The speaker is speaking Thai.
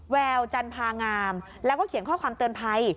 แววจันพางามแล้วก็เขียนข้อความเตือนภัย